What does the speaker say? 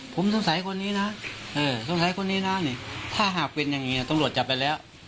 ผมสงสัยคนนี้นะสงสัยคนนี้นะถ้าหากเป็นอย่างนี้ตำรวจจับไปแล้ว